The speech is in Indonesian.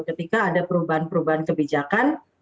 ketika ada perubahan perubahan kebijakan